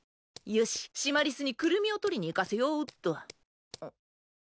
よしシマリスにクルミをとりに行かせようっと。